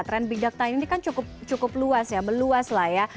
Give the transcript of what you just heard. trend big data ini kan cukup luas ya meluas lah ya